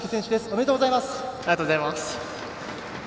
おめでとうございます。